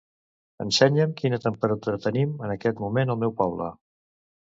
Ensenya'm quina temperatura tenim en aquest moment al meu poble.